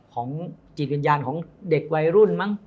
ของจิตวิญญาณของเด็กวัยรุ่นมั้ง